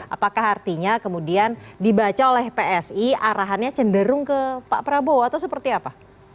apakah artinya kemudian dibaca oleh psi arahannya cenderung ke pak prabowo atau seperti apa